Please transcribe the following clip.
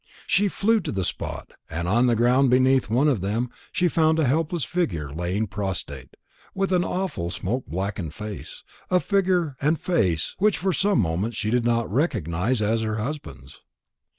She flew to the spot, and on the ground beneath one of them she found a helpless figure lying prostrate, with an awful smoke blackened face a figure and face which for some moments she did not recognize as her husband's.